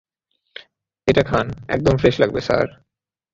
এটা খান, একদম ফ্রেশ লাগবে, স্যার।